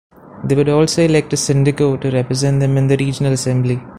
They would also elect a "sindico" to represent them in the regional assembly.